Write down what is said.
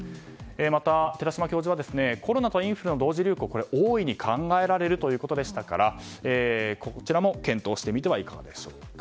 また、寺嶋教授はコロナとインフルの同時流行は大いに考えられるということでしたからこちらも検討してみてはいかがでしょうか。